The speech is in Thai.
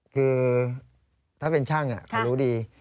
คือถ้าเป็นช่างเขารู้ดี